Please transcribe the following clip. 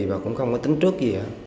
và cũng không có suy nghĩ gì